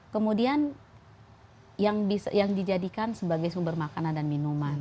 kemudian yang dijadikan sebagai sumber makanan dan minuman